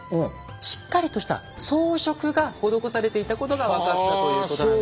しっかりとした装飾が施されていたことが分かったということなんです。